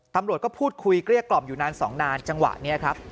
ตำรวจก็พูดคุยเกลี้ยกล่อมอยู่นานสองนานจังหวะนี้ครับ